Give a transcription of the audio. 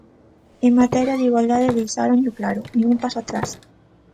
En materia de igualdade deixáronllo claro: nin un paso atrás.